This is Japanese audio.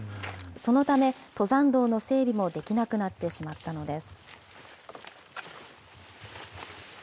そのため、登山道の整備もできなくなってしまったのです。